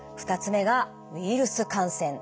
２つ目がウイルス感染。